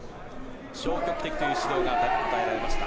消極的という指導が与えられました。